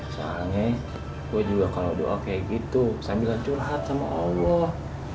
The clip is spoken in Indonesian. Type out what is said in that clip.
soalnya gue juga kalau doa kayak gitu sambilan curhat sama allah